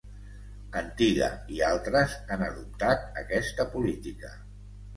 Antiga i altres han adoptat aquesta política.